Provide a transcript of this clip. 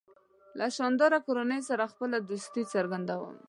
له شانداره کورنۍ سره خپله دوستي څرګندوم.